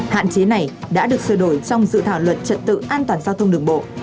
hạn chế này đã được sửa đổi trong dự thảo luật trật tự an toàn giao thông đường bộ